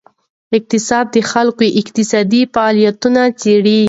اقتصاد د خلکو اقتصادي فعالیتونه څیړي.